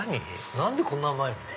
何でこんな甘いの？